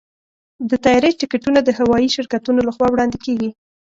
د طیارې ټکټونه د هوايي شرکتونو لخوا وړاندې کېږي.